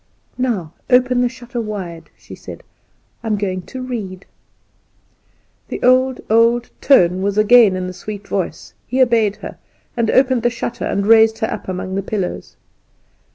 "Now open the shutter wide," she said; "I am going to read." The old, old tone was again in the sweet voice. He obeyed her; and opened the shutter, and raised her up among the pillows.